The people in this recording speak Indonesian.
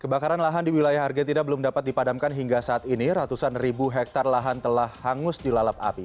kebakaran lahan di wilayah argentina belum dapat dipadamkan hingga saat ini ratusan ribu hektare lahan telah hangus dilalap api